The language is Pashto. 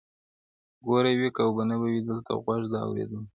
ګوره وي او که به نه وي دلته غوږ د اورېدلو-